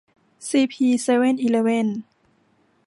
ซีพี เซเว่นอีเลฟเว่น